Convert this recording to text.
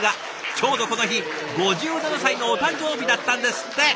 ちょうどこの日５７歳のお誕生日だったんですって。